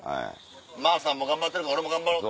「マーさんも頑張ってるから俺も頑張ろう！」。